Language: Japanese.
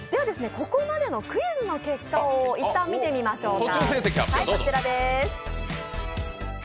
ここまでのクイズの結果を一旦見てみましょうか。